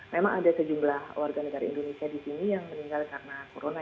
memang ada sejumlah warga negara indonesia di sini yang meninggal karena corona